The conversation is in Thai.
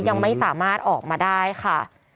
ยังไม่สามารถออกมาได้ค่ะ